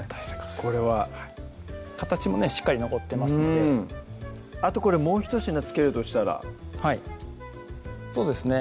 これは形もねしっかり残ってますのであともうひと品付けるとしたらはいそうですね